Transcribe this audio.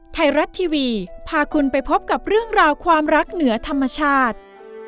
ไทยรัฐทีวีพาคุณไปพบกับเรื่องราวความรักเหนือธรรมชาติ